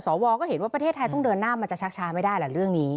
สวก็เห็นว่าประเทศไทยต้องเดินหน้ามันจะชักช้าไม่ได้แหละเรื่องนี้